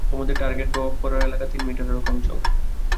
তোমাদের টার্গেটে প্রভাব পড়ার এলাকা তিন মিটারেরও কম চওড়া।